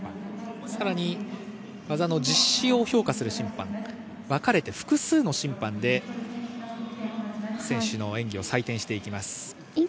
さらに技の実施を評価する審判が分かれて複数の審判で選手の演技を採点していきます。